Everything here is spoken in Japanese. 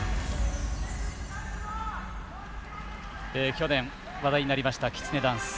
去年、話題になりました「きつねダンス」。